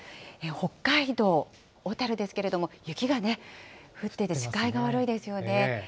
北海道小樽ですけれども、雪が降ってて視界が悪いですよね。